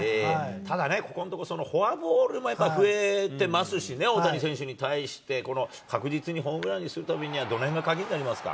ただね、ここのところ、フォアボールもやっぱり増えてますしね、大谷選手に対して、この確実にホームランにするためにはどのへんが鍵になりますか。